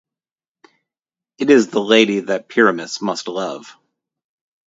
It is the lady that Pyramus must love.